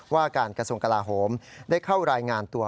ว่าการกระทรวงกลาโหมได้เข้ารายงานตัว